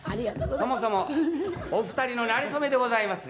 そもそもお二人のなれ初めでございますが。